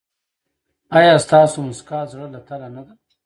ایا ستاسو مسکا د زړه له تله نه ده؟